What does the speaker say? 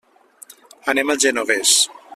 Anem al Genovés.